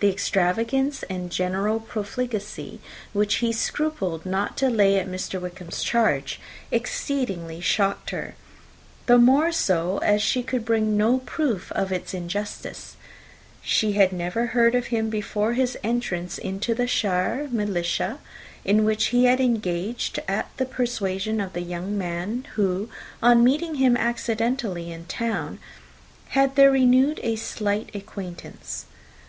The extravagance and general profligacy which he scrupled not to lay to Mr. Wickham's charge exceedingly shocked her; the more so, as she could bring no proof of its injustice. She had never heard of him before his entrance into the shire militia, in which he had engaged at the persuasion of the young man, who, on meeting him accidentally in town, had there renewed a slight acquaintance.